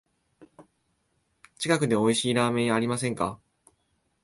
近くでおいしいラーメン屋ありませんか？